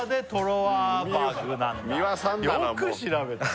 よく調べたね